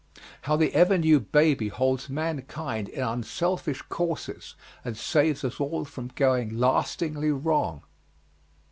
How the ever new baby holds mankind in unselfish courses and saves us all from going lastingly wrong.